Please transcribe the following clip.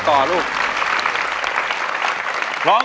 สุดท้าย